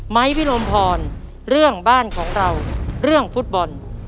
พิรมพรเรื่องบ้านของเราเรื่องฟุตบอล